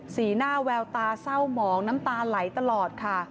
สีหน้าแววตาเศร้าหมองน้ำตาไหลตลอดค่ะ